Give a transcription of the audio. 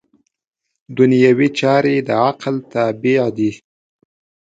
دنیوي چارې د عقل تابع دي.